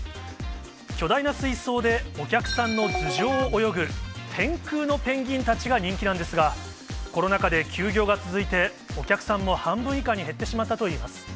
巨大な水槽でお客さんの頭上を泳ぐ、天空のペンギンたちが人気なんですが、コロナ禍で休業が続いて、お客さんも半分以下に減ってしまったといいます。